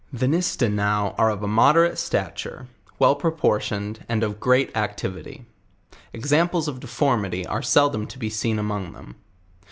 THE Knistenaux arc of a moderate stature, well propor tioned, and of great activity. Examples of deformity ?re seldom to be seen among them.